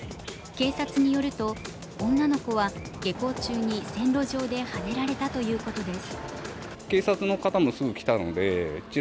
警察によると、女の子は下校中に線路上ではねられたということです。